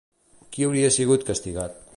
Qui hauria sigut castigat?